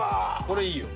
これいいよ。